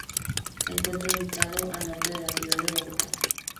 Se encuentra ubicado al norte de la ciudad de Bogotá.